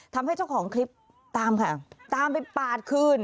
ทำให้เจ้าของคลิปตามไปปาดคืน